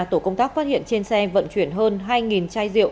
tổ công tác phát hiện trên xe vận chuyển hơn hai chai rượu